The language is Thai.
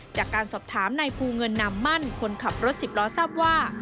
จากการสอบถามนายภูเงินนามมั่นคนขับรถสิบล้อทราบว่า